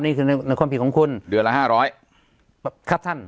นี่คือในความผิดของคุณเดือนละ๕๐๐ครับท่าน